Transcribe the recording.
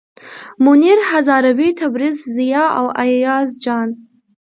منیر هزاروي، تبریز، ضیا او ایاز جان.